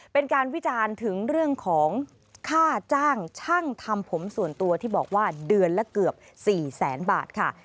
เป็นการวิจารณ์ถึงเรื่องของค่าจ้างช่างทำผมส่วนตัวที่บอกว่าเดือนละเกือบ๔แสนบาทค่ะ